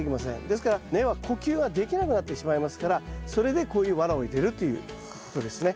ですから根は呼吸ができなくなってしまいますからそれでこういうワラを入れるっていうことですね。